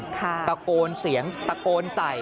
ตะโกนสีีกด้อมใส